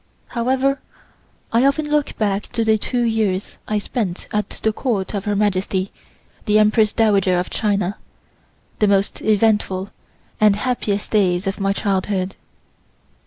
However, I often look back to the two years I spent at the Court of Her Majesty, the Empress Dowager of China, the most eventful and happiest days of my girlhood.